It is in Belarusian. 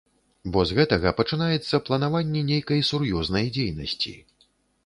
Бо з гэтага пачынаецца планаванне нейкай сур'ёзнай дзейнасці.